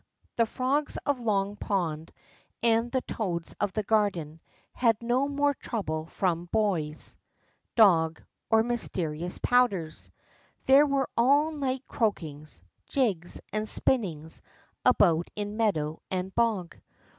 The frogs of Long Pond and the toads of the garden had no more trouble from boys, dog, or mysterious powders. There were all night croakings, jigs, and spinnings about in meadow and bog.